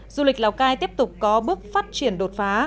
du lịch lào cai tiếp tục có bước phát triển đột phá